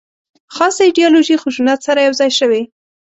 خاصه ایدیالوژي خشونت سره یو ځای شوې.